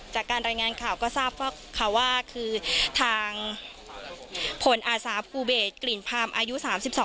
จากการรายงานข่าวก็ทราบค่ะว่าคือทางผลอาสาภูเบศกลิ่นพามอายุ๓๒